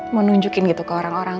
menunjukin gitu ke orang orang